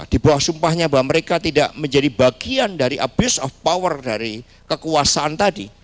di bawah sumpahnya bahwa mereka tidak menjadi bagian dari abuse of power dari kekuasaan tadi